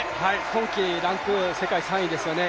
今季ランク世界３位ですよね